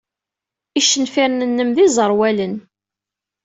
Icenfiren-nnem d iẓerwalen.